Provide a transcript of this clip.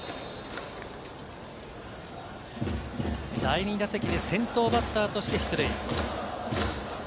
第２打席で先頭バッターとして出塁。